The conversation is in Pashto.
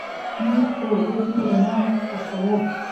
موږ د ورځې رڼا خوښو.